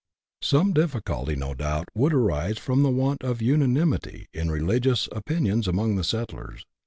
Some difficulty no doubt would arise from the want of una nimity in religious opinions among the settlers.